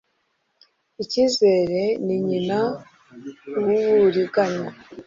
icyizere ni nyina wuburiganya